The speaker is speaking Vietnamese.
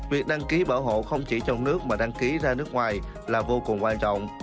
việc đăng ký bảo hộ không chỉ trong nước mà đăng ký ra nước ngoài là vô cùng quan trọng